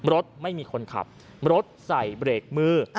รถไม่มีคนขับรถใส่เบรกมือ